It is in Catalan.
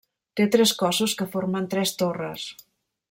Té tres cossos que formen tres torres.